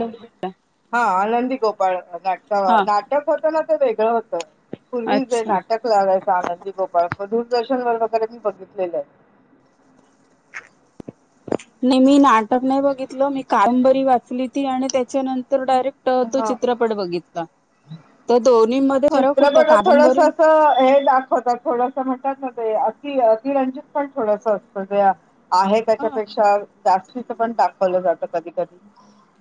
Hello हा आनंदी गोपाळ नाट हा नाटक होत ना वेगळं होत पूर्वी जे अच्छा नाटक लावायचं आनंदी गोपाळ मग दूरदर्शन व वगैरे मी बघितलेलं आहे. नाही मी नाटक नाही बघितलं मी कादंबरी वाचली ती आणि त्याच्यानंतर तर डायरेक्ट तो हा चित्रपट बघितला. तर दोन्ही मध्ये फरक होता चित्रपटात थोडस कादंबरी हे दाखवतात थोडस म्हट अतिरंजित पण थोडस असत ज आहे ह त्याच्यापेक्षा जास्त पण दाखवलं जात कधी-कधी.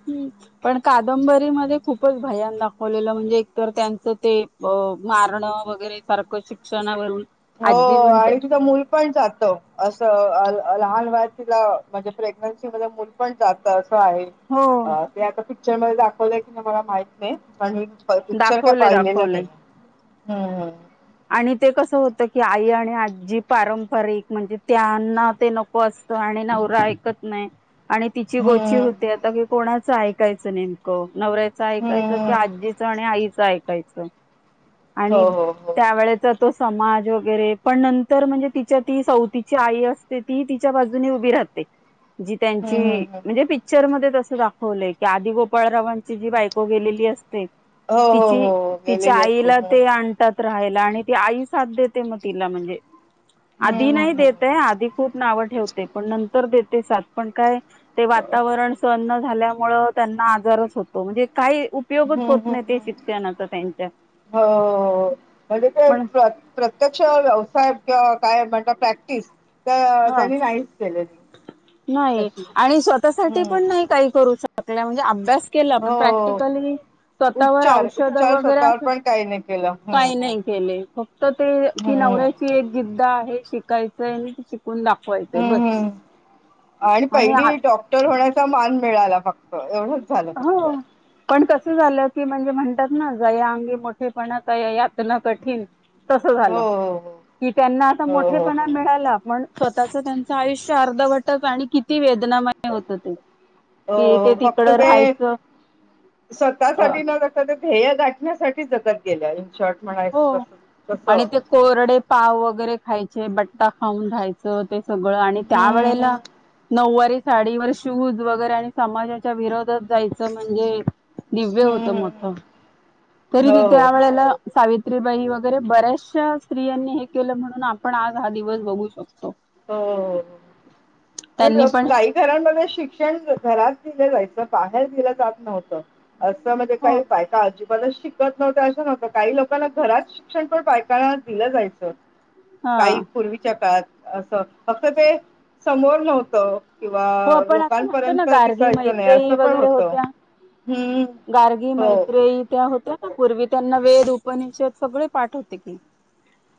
हम् पण कादंबरीमध्ये खूपच भयान दाखवलेलं म्हणजे एकतर त्यांच ते मारणं वगैरे सारखं शिक्षणावरून हो आजी म्हणते आणि तिचं मूल पण जात असं लहान वया तिला म्हणजे प्रेग्नन्सी मध्ये मूल पण जात अस हो ते आता पिक्चर मध्ये दाखवलंय की नाही मला माहित नाही पण, पिक्चर काय दाखवले पाहिलेलं दाखवले नाही. हम्म हम्, आणि ते कसं होत की आई आणि आजी पारंपरिक म्हणजे त्यांना ते नको अस आणि नवरा ऐकत नाही आणि तिची गोची हम्म होती आता की कोणाचं ऐकायचं नेमकं, नवऱ्याचं ऐकायचं कि, हम्म आजीचं आणि आईचं ऐकायचं. आणि हो-हो हो! त्यावेळेचा समाज वगैरे मग तिच्या सवतीची आहे तिच्या बाजूने ऊभी राहते, जि हम्म त्यांची हम्म हम्म म्हणजे पिक्चर मध्ये तस. दाखवलंय की गोपाळरावांची जी बायको गेलेली असते हो हो तिची हो हो तिच्या गेलेली असते आईला हम्म ते आणतात राहायला, आणि ती आई साथ देते मग तिला म्हणजे आधी हम्म नाही हम्म देतय आधी खूप नावं ठेवते पण नंतर देते सात पण काय ते वातावरण सन्न झाल्यामुळे त्यांना आजारच होतो म्हणजे काही उपयोगच हम्म होत हम्म नाही ते हम्म शिक्षणाचा त्यांच्या, हो हो हो. म्हणजे ते पण प्रत्यक्ष व्यवसाय किंवा काय म्हणत प्रॅक्टिस तर हा त्यांनी नाहीच केलेली नाही तशी आणि स्वतःसाठी हम्म पण नाही काही करू सगळ म्हणजे अभ्यास केला हो पण प्रॅक्टिकली स्वतःवर उपचार औषध उपचार वगैरे स्वतःवर असं पण काही नाही केलं हम्म काही हम्म नाही केले फक्त ते ती हम्म नवऱ्याची एक जिद्दा आहे शिकायचय हुन दाखवायचंय हम्म बस हम्म आणि पहिली डॉक्टर होण्याचा मान मिळाला फक्त एवढंच झालं फक्त हो, पण कस अस झालं की म्हणजे, म्हणतात ना ज या अंगी मोठेपणा यातन कठीण तस हो झालं हो की त्यांना आता हो हो हो मोठेपणा मिळाला पण स्वतःच त्यांचं आयुष्य अर्ध भटच आणि किती वेद वेदनामय होत ते कि ते तिकड राहायचं स्वतः अ साठी न करता ध्येय गाठण्यासाठी जगत गेल्या इन शॉर्ट! म्हणायचं हो तस तस आणि ते कोरडे पाव वगैरे खायचे बट्टा खाऊन रायच ते सगळं आणि त्या हम्म वळेला नऊवारीत साडीवर शूज वगैरे आणि समाजाच्या विरोधात जायचं म्हणजे दिव्य हम्म होत हम्म हम्म मोठ हम्म. हो तरी हो त्या हो वेळेला सावित्रीबाई वगैरे बऱ्याचशा स्त्रियांनी हे केलं म्हणून आपण आज हा दिवस बघू शकतो हो-हो पण काही घरांमध्ये शिक्षण घरात दिलं जायचं बाहेर दिलं जात नव्हत असं म्हणजे हो काही बायका अजून पण शिकत नव्हतं असं नव्हतं काही लोकांना घरात शिक्षण पण बायकना दिलं जायचं हा ताई पूर्वीच्या काळात असं फक्त ते समोर नव्हतं. किंवा हो आपण असं म्हणतो ना लोकांपर्यंत दिसायचं नाही असं पण होत. गारगी मैत्री त्या होत्या? पूर्वी त्यांना वेद उपनिषद सगळे पाठ होते कि,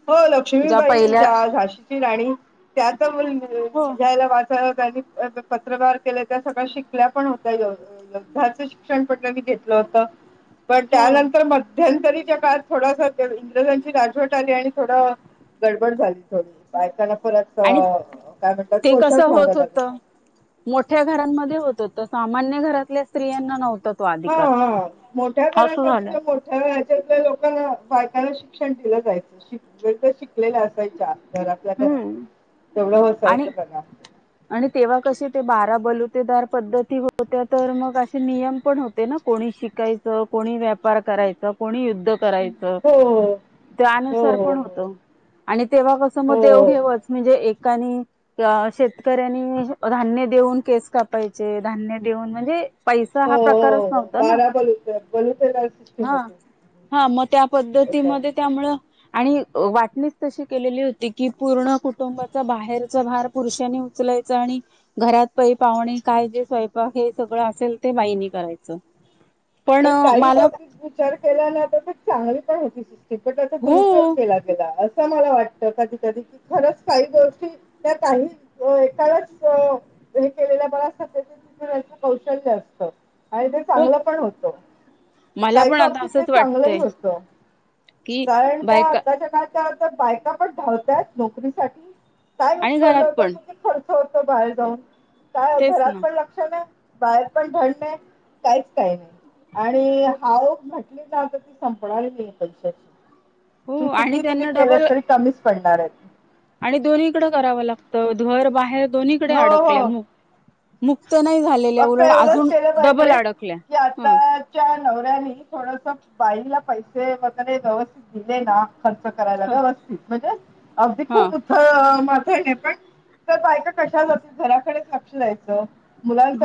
हो लक्ष्मीबाई ज्या झाशीची राणी त्याच म हो घ्यायला वाचायला पत्रवार केले त्या सगळ्या शिकल्या पण होत्या [inaudible] युद्धाचं शिक्षण पण त्यांनी घेतलं होतं. पण हो. त्यानंतर मध्यंतरीच्या काळात थोडासा इंग्रजांची राजवट आली आणि थोडं गडबड झाली थोडी बायकांना परत आणि काय म्हणतात ते कोशात कसं राहाव होत लागल. होतं. मोठ्या घरांमध्ये होत तर सामान्य घरातल्या स्त्रियांना नव्हत. हा हा मोठ्या घरांमध्ये झालं. ज्या मोठ्या लोकांना बायकांना शिक्षण दिलं जायचं शि व तर शिकलेल्या असायच्या घरातल्या घरात हम्म. तेवढं होसायचं आणि त्यानां आणि तेव्हा कसे ते बारा बलुतेदार पद्धती होत्या तर मग असे नियम पण होते ना कोण कोणी शिकायचं कोणी व्यापार करायच कोणी युद्ध करायचं हो हो त्यानुसार हो हो हो पण होत आणि तेव्हा कसं मग देव हो घेवच म्हणजे एक कणी शेतकरी शेतकऱ्यांनी धान्य देऊन केस कापायचे धान्य देऊन म्हणजे पैसा हो हा प्रकारच हो नव्हता ना. बारा बलूते बलूते काळ हा सिस्टीमते होती. हा मग त्या त्याच्या पद्धतीमध्ये त्यामुळं आणि वाटणी तशी केलेली होती की पूर्ण कुटुंबाचा बाहेरचा भार पुरुषांनी उचलायचं आणि घरात पै पाहुणे काय जे स्वयंपा हे सगळं असेल ते बाहिनी करायचं [unintelligible] पण काही मला बाबतीत विचार केल्याना तर चांगलीच आहेत [inaudible] टीपीटरचा हो दुरुपयोग केला गेला आज अशामुळे वाटत कधी कधी कि खरंच काही गोष्टी त्या काही हो एकाच हे केलेल्या बऱ्याचच कौशल्य असत आणि ते हो चांगलं पण होत मला काही पण आता बाबतीत ते असंच चांगलंही वाटतंय होत की कारण का बायका आताच्या काळात बायका पण धावतात नोकरीसाठी काय आणि विषपन घरात होत पण कि ते खर्च होत बाहेर जाऊन काय तेच घरात ना पण लक्ष नाही बाहेर पण थंड नाही काहीच काही नाही आणि हाव म्हटली ना तर ती संपणारी नाही आहे हो पैशाची आणि किती तुम्ही त्यांना डबल केलेत तरी कमीच पडणार आहे ते आणि दोन्हीकड करावं लागतं घर बाहेर दोन्हीकडे हो अडकल्या हो ना म फक्त एवढंच केलं पाहिजे अडकल्या की ह आताच्या नवऱ्यानी थोडस बाईला पैसे वगैरे व्यवस्थित दिले ना खर्च करायला ह व्यवस्थित म्हणजे अगदी हा उथळ माथळ पण हे पण तर बायका कशा जातील घराकडेच लक्ष द्यायचं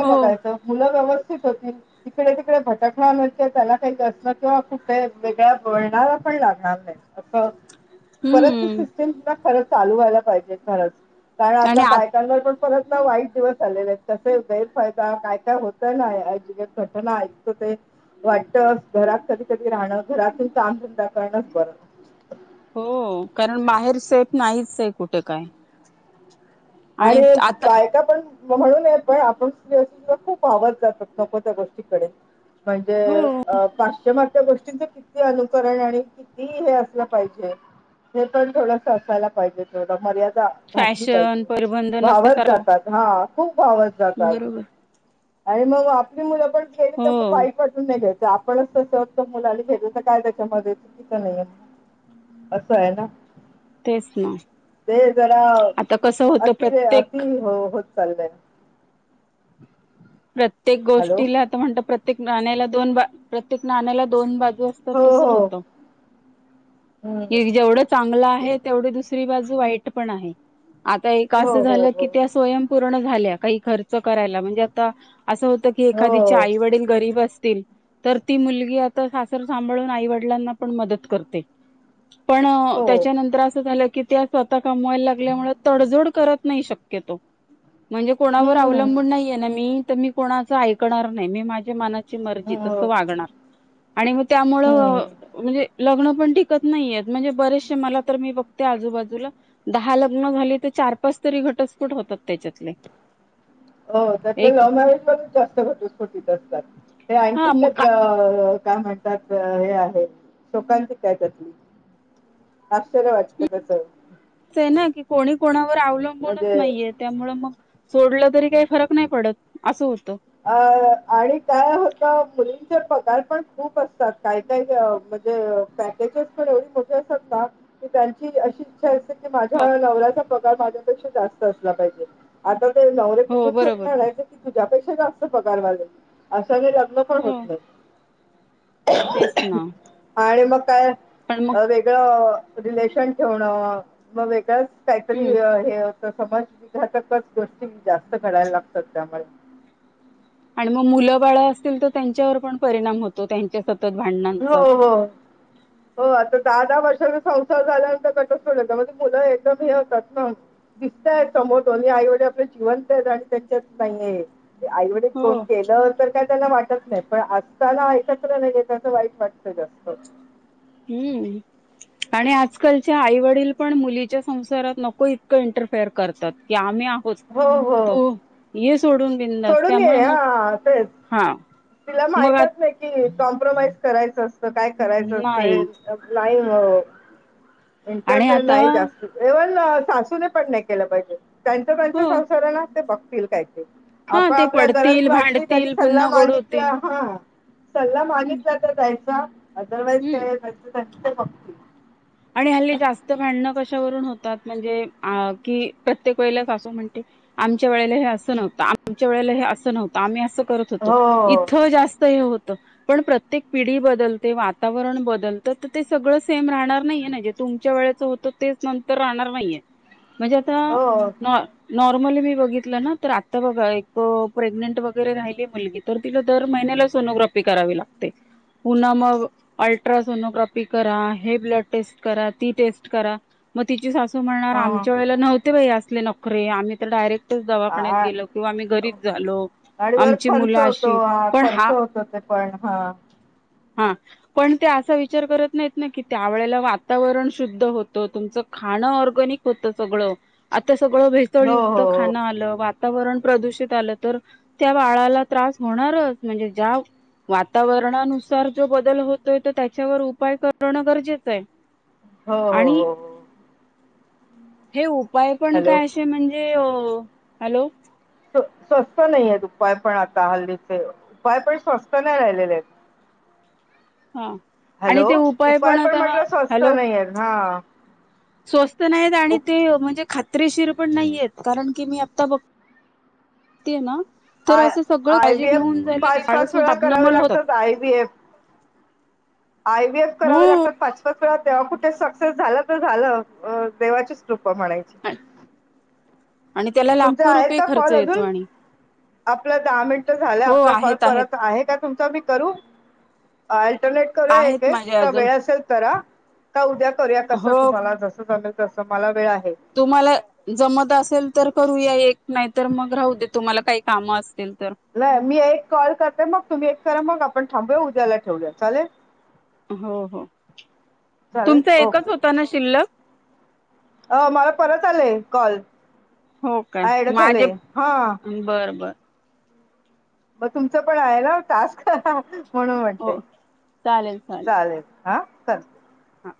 हो मुलं व्यवस्थित [inaudible] तिकडे तिकडे भटकला नाही का त्यांना काही वैसणे किंवा कुठे वेगळ्या बोळणारा पण लागणार नाही असं परत त हम्म सिस्टम खर चालू व्हायला पाहिजे खरंच कारण आणि आता आ बायकांवर पण पर वाईट दिवस आलेले आहेत कसे गैरफायद ता काय काय होत ना अ ज घटना ऐकतो ते वाटत घरात कधी कधी राहणं घरातून काम सुद्धा करणंच बर हो कारण बाहेर सेफ नाहीच आहे कुठे काय आणि बायका पण म्हणून प आपण खूप वहावत जात नको त्या गोष्टीकडे हो म्हणजे पाश्चमात्य गोष्टींच किती अनुकरण आणि किती हे असलं पाहिजे हे पण थोडस असायला पाहिजे थोड मर्यादा घातली फॅशन पाहिजे परिबंध वहावत नसल्यासारखं जातात हा खूप वहावत जातात बरोबर आणि मग मुलं पण खेली तर हो मग बाई पाटून नाही घेत आपणच तसं होत मुलानी भेटच काय त्याच्यामध्ये चुकीचं नाही असं आहे ना तेच ना! ते जरा आता कस अति र अति हो होत चाललंय त्यांचं. प्रत्येक गोष्टीला आता म्हणत प्रत्येक गाण्याला दोन बा प्रत्येक नाण्याला दोन बाजू हो हो होत हम्म जेवढ चांगलं आहे, तेवढ दुसरी बाजु वाईट पण आहे, आता एक हो अस हो झालं हो की स्वयंपूर्ण झाल्या काही खर्च करायला म्हणजे आता असं होतं की एखादीच्या हो आई वडील गरीब अस तील तर ती मुलगी आता सासर सांभाळून आईवडलांना पण मदत करते. पण हो त्याच्यानंतर असं झालं की, त्या स्वतः कमवायला लागल्यामुळे तडजोड करत नाही शक्यतो, म्हणजे कोणावर हम्म अवलंबून नाहीये ना मी तर मी कोणाच ऐकणार नाही मी माझ्या मनात त्यांची मर्जी अस हो वागणार आणि मग हम्म त्यामुळं म्हणजे लग्न टिकत नाही आहेत म्हणजे बरेशे मला तर मी बघते आजूबाजूला दहा लग्न झाली तर चार पाच घटस्फोट होतात त्याच्यातले आपले एक लव्ह मॅरेज पण जास्त घटोस्फोटीत असतात. ते हा आणखीन का? मग काच काय म्हणतात हे आहे शोकांची काय त्यातली [inaudible] आश्चर्य वाटतं त्याच आहे ना की कोणी कोणावर अवलंबूनच म्हणजे नाहीये त्यामुळ मग सोडलं तरी काही फरक नाही पडत असं अ आणि काय होता मुली पगार पण खूप असतात काय काय म्हणजे पॅकेजेस पण एवढी मोठी असतात ना! की त्यांची अशी इच्छा असते की, माझ्या नवऱ्याचा पगार माझ्यापेक्षा जास्त असला पाहिजे, आता नवरे हो कुठून बरोबर शोधून आणायचे की तुझ्यापेक्षा जास्त पगार वाले. सगळे लग्न पण होत हो नाही. तेच ना आणि मग काय पण मग वेगळं रिलेशन ठेवण मग वेगळंच काहीतरी हम्म हे, समजघातकच गोष्टी जास्त घडायला लागतात त्यामुळे. आणि मग मुलं बाळ असतील तर त्यांच्यावर पण परिणाम होतो त्यांच्या सतत भांडणांचा हो हो हो आता दहा दहा वर्षाचा संसार झाल्यानंतर घटस्पोट म्हणजे मुलं एकदम हे होतात ना दिसत य मग दोन्ही आईवडील आपले जिवंत आहेत आणि त्यांच्यात काही नाहीये. आईवडील कोन हो केलं तर काय त्याना वाटत नाही, पण असताना ऐकत्र नाही. त्याच वाईट वाटत जास्त हम्म! आणि आजकालच्या आई वडील पण मुलीच्या संसारात नको इतकं इंटरफेअर करतात. की आम्ही हो तो सोडून बिंदास सोडून त्यामुळे ये मग हा तेच हा तिला मग आ माहितच नाही कि कॉम्प्रोमाइज करायचं असतं, काय करायचं असतं, हे नाही नाही लाईव्ह इंटर आणि तर आता नाही जास्त एव्हन सासूने पण नाही केलं पाहिजे. त्यांचं त्यांच हो संसारण ते बघतील काय तरी हा आपण ते आपल्या गरज पडतील वाटली त्यांनी भांडतील सल्ला पुन्हा गोड मागितला होतील हा सल्ला हम्म मागितला तर द्यायचा अदरवाईज हम्म कायच त्यां फक्ती आणि हल्ली जास्त भांडणं कशावरून होतात, म्हणजे कि प्रत्येक वेळेलाच सासू म्हणतेकि आमच्या वेळेला हे असं नव्हतं, आमच्या वेळेला हे असं नव्हतं, आम्ही असं त होतो हो इथं जास्तहे होत. पण प्रत्येक पिढी बदलते वातावरण बदलत तर ते सगळं सेम राहणार नाही. तुमच्या वेळ च होत तेच नंतर राहणार नाहीये म्हणजे आता हो नॉर्मली मी बघितलं ना तर आता बघा एक प्रेगनेंट वगैरे राहिली मुलगी तर तिला दर महि पहिला सोनोग्राफी करावी लागते पुन्हा मग अल्ट्रा सोनोग्राफी करा हे ब्लड टेस्ट करा ती टेस्ट करा मग तिची सासू म्हणणार हा आमच्या वेळेला नव्हते. ले नकरे आम्ही तर डायरेक्टच दवाखान्यात गेलो किंवा आम्ही घरीच झालो. गाडीवर आमची खर्च मुलं होतो. अशी हा पण खर्च होतो, ते पण हा. हा पण ते असा विचार करत नाहीत नाही, की त्यावेळेला वातावरण शुद्ध होतं. तुमचं खाणं ऑर्गनिक होतं. सगळं आता सग सगळं हो भेसळयुक्त हो खाणं आलं. वातावरण प्रदूषित आलं, तर त्या बाळाला त्रास होणारच म्हणजे, ज्या वातावरणानुसार जो बदल होतोय, त त्याच्यावर उपाय करणं गरजेचं आहे. हो हो आणि हो हो. हे उपाय पण हॅलो काय? असे म्हणजे हॅलो! स्वस्त नाही आहेत. उपाय पण आता हल्लीचे उपाय पण स्वस्त नाही राहिलेले आहेत. हा आणि हॅलो! ते उपाय पण आता म्हटलं स्वस्त हॅलो नाहीय, ना. स्वस्त नाही आणि ते म्हणजे ख खात्रीशीर पण नाही येत कारण, की मी आत्ता बघते, ना. तर आय असं सगळं आय काळजी व्ही एफ घेऊन, झालेली पाच काळ पाच सुद्धा वेळा करावे नॉर्मल होतात. लागतात I V F I B S करावे हो. लागतात. पाच पाच. कुठे सक्सेस झालं, तर झालं देवाची च कृपा म्हणायची. आणि त्याला तुमचे लाखो आहेत. रुपये का खर्च कॉल येतो अजून आणि आपलं दहा मिनट झालं. हो आपला कॉल आहेत आहेत परत आहे का? तुमचा मी करू? [unintelligible] करूया एक आहेत एक माझे का अजून वेळ असेल, तर हा का उद्या करूया, कसं हो तुम्हाला जसं तसं मला वेळ आहे. तुम्हाला जमत असेल, तर करूया एक नाही तर मग राहू दे. तुम्हाला काही कामं असतील. तर नाही, मी एक कॉल करते मग तुम्ही एक करा. मग आपण थांबूया. उद्याला एक करुया चालेल. हो हो चालेल तुमचा एकच ओके होता, ना शिल्लक. अ मला परत आलेय कॉल हो काय माझे [unintelligible] बर बर मग तुमचं पण आहे, ना टास्क. म्हणून, म्हणतेय हो चालेल. हा चाल हा.